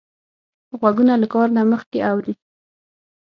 غوږونه له کار نه مخکې اوري